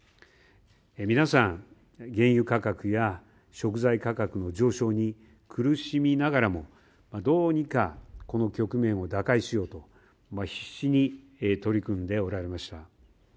皆さん、原油価格や食材価格の上昇に苦しみながらも、どうにかこの局面を打開しようと、必死に取り組んでおられました。